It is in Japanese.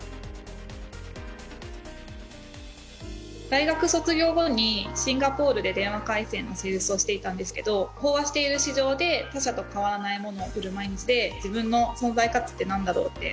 大学卒業後にシンガポールで電話回線のセールスをしていたんですけど飽和している市場で他社と変わらないものを売る毎日で自分の存在価値ってなんだろう？って。